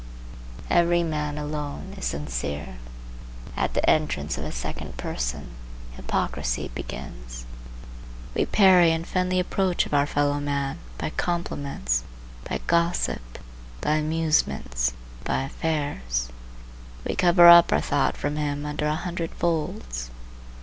Every man alone is sincere. At the entrance of a second person, hypocrisy begins. We parry and fend the approach of our fellow man by compliments, by gossip, by amusements, by affairs. We cover up our thought from him under a hundred folds.